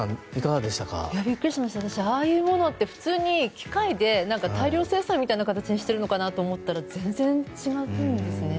私、ああいうものって普通に機械で大量生産みたいな形にしているのかなと思ったら全然違うんですね。